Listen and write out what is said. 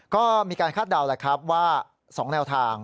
ก็มีการคาดเดาแหละครับว่า๒แนวทาง